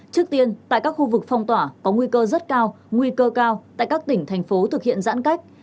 trước tiên tại các khu vực phong tỏa có nguy cơ rất cao nguy cơ cao tại các tỉnh thành phố thực hiện giãn cách